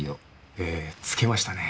ええ点けましたねえ。